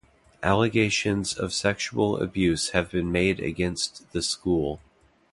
Allegations of sexual abuse have been made against the school.